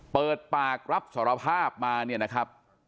เปิดปากรับสารภาพมาเนี่ยนะครับ